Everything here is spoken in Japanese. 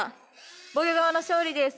防御側の勝利です！